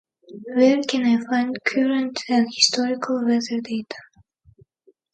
Where can I find current and historical weather data?